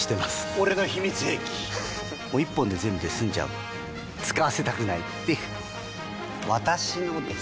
俺の秘密兵器１本で全部済んじゃう使わせたくないっていう私のです！